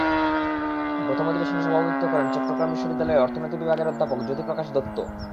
প্রথম অধিবেশনে সভাপতিত্ব করেন চট্টগ্রাম বিশ্ববিদ্যালয়ের অর্থনীতি বিভাগের অধ্যাপক জ্যোতি প্রকাশ দত্ত।